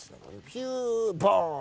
ヒューボン！